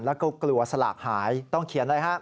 แล้วก็กลัวสลากหายต้องเขียนอะไรฮะ